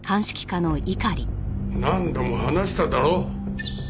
何度も話しただろ？